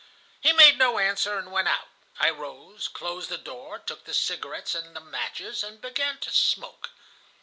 "He made no answer, and went out. I rose, closed the door, took the cigarettes and the matches, and began to smoke.